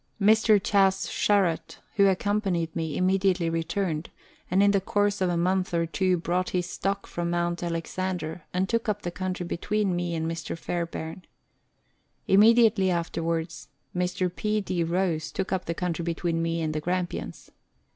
Mr. Chas. Sherratt, who accompanied me, immediately returned, and in the course of a month or two brought his stock from Mount Alexander and took up the country between me and Mr. Fairbairn. Immediately afterwards Mr. P. D. Rose took up the country between me and the Grampians.